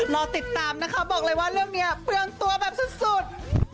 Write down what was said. รอติดตามนะคะบอกเลยว่าเรื่องนี้เปลืองตัวแบบสุด